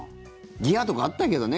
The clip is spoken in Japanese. ギアとかあったけどね。